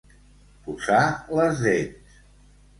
Posar les dents.